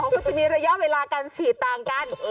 เขาก็จะมีระยะเวลาการฉีดต่างกัน